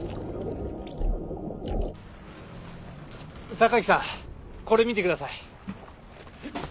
榊さんこれ見てください。